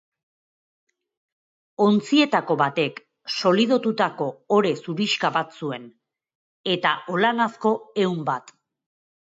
Ontzietako batek solidotutako ore zurixka bat zuen, eta olanazko ehun bat.